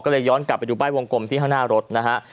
ก็เลยย้อนกลับไปดูป้ายวงกลมที่ข้างหน้ารถนะฮะ